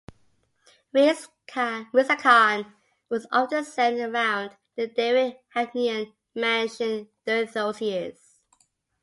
Reza Khan was often seen around the Davidkhanian mansion during those years.